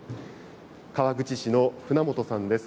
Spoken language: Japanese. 川口市の船本さんです。